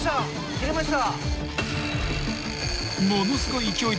切れました。